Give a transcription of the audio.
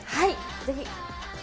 ぜひ。